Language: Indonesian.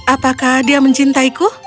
apakah dia mencintaiku